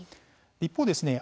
一方ですね